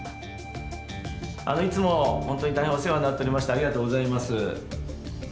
いつも本当に大変お世話になっておりましてありがとうございます。